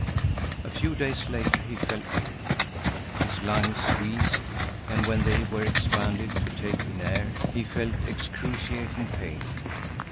A few days later he fell ill. His lungs wheezed, and when they were expanded to take in air, he felt excruciating pain.